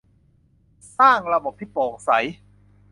สร้างระบบที่โปร่งใส